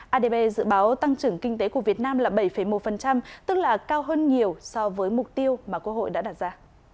adb dự báo tăng trưởng kinh tế của việt nam là bảy một tức là cao hơn nhiều so với mục tiêu mà quốc hội đã đặt ra